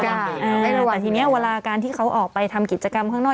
เอาแต่ทีนี้เวลาการที่เขาออกไปทำกิจกรรมข้างนอก